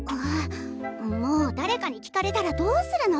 もう誰かに聞かれたらどうするの！